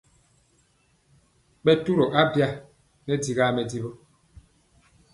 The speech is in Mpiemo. Ɓɛ turɔ abya nɛ dikaa mɛdivɔ.